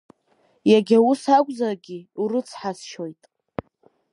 Иагьа ус акәзаргьы, урыцҳасшьоит.